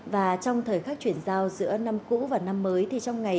và trong thời khắc chuyển giao giữa năm cũ và năm mới thì trong ngày